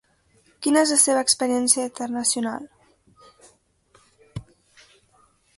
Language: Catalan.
Quina és la seva experiència internacional?